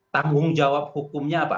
tanggung jawab hukumnya apa